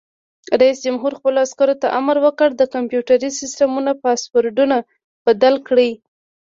رئیس جمهور خپلو عسکرو ته امر وکړ؛ د کمپیوټري سیسټمونو پاسورډونه بدل کړئ!